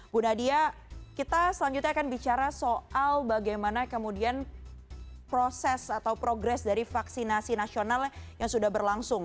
bu nadia kita selanjutnya akan bicara soal bagaimana kemudian proses atau progres dari vaksinasi nasional yang sudah berlangsung